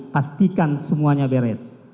pastikan semuanya beres